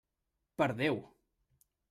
Per Déu!